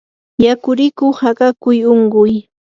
yakurikuq akakuy unquy